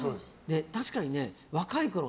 確かに若いころ